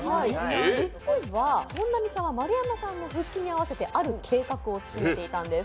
実は本並さんは丸山さんの復帰に合わせて、ある計画を進めていたんです。